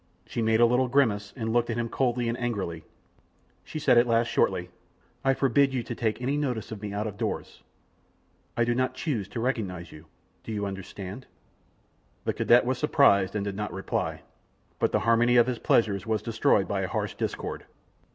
She made a little grimace, and looking at him coldly and angrily, she at last said, shortly: "I forbid you to take any notice of me out of doors. I do not choose to recognize you; do you understand?" The cadet was surprised and did not reply, but the harmony of his pleasures was destroyed by a harsh discord.